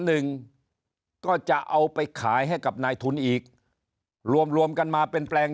หนึ่งก็จะเอาไปขายให้กับนายทุนอีกรวมรวมกันมาเป็นแปลง